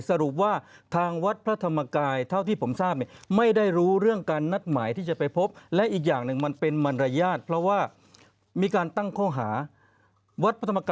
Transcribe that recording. สรุปว่าทางวัดพระธรรมกายเท่าที่ผมทราบ